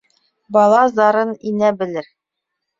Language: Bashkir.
Бала зарын инә белер